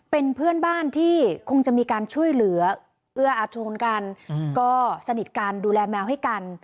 เป็นเพื่อนบ้านที่คงจะมีการช่วยเหลือเอื้ออาชูนกันก็สนิทกันดูแลแมวให้กัน